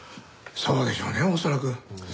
そうでしょうね恐らく。